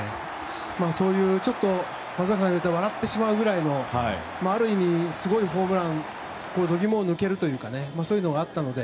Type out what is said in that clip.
そういう松坂さんに言ったら笑ってしまうくらいのある意味ですごいホームラン度肝を抜けるというかそういうのがあったので。